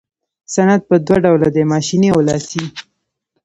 صنعت په دوه ډوله دی ماشیني او لاسي.